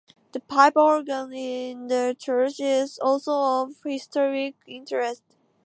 The pipe organ in the church is also of historic interest.